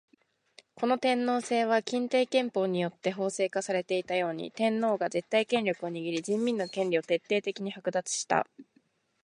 この天皇制は欽定憲法によって法制化されていたように、天皇が絶対権力を握り人民の権利を徹底的に剥奪した。